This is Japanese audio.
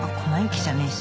じゃねえし